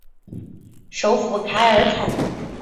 首府凯尔采。